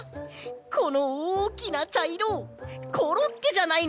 このおおきなちゃいろコロッケじゃないの？